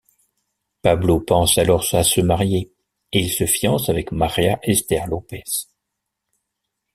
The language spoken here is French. Pablo pense alors à se marier et il se fiance avec María Esther López.